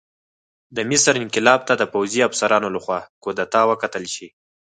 د مصر انقلاب ته د پوځي افسرانو لخوا کودتا وکتل شي.